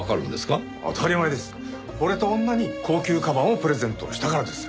惚れた女に高級カバンをプレゼントしたからです。